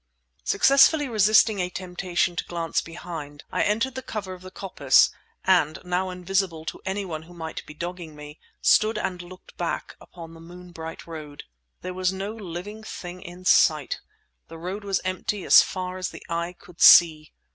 Successfully resisting a temptation to glance behind, I entered the cover of the coppice, and, now invisible to any one who might be dogging me, stood and looked back upon the moon bright road. There was no living thing in sight, the road was empty as far as the eye could see.